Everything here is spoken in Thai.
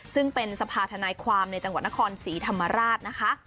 ซึ่งเป็นสภาธนายความในจังหวัดนครศรีธรรมราชนะคะ